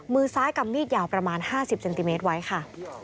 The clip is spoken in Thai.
มือซ้ายกำมีดยาวประมาณ๕๐เซนติเมตรไว้ค่ะ